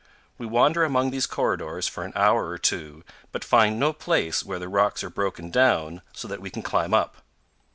We wander among these corridors for an hour or two, but find no place where the rocks are broken down so that we can climb up.